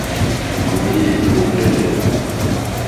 Mùlêlì mùndɛ́nɛ̀.